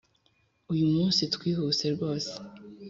Uyu munsi twihuse rwose